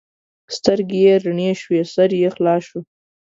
سترګې یې رڼې شوې؛ سر یې خلاص شو.